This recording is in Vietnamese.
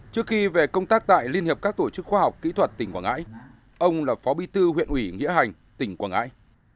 trước khi về công tác tại liên hiệp các tổ chức khoa học kỹ thuật tỉnh quảng ngãi ông là phó bi thư huyện ủy nghĩa hành tỉnh quảng ngãi